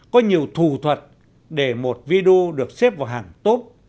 có nhiều thù thuật để một video được xếp vào hàng tốt